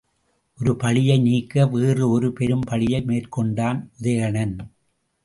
ஒரு பழியை நீக்க வேறு ஒரு பெரும் பழியை மேற்கொண்டான் உதயணன்.